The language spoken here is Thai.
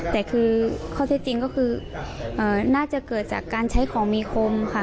แต่คือข้อเท็จจริงก็คือน่าจะเกิดจากการใช้ของมีคมค่ะ